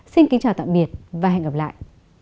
xin kính chào tạm biệt và hẹn gặp lại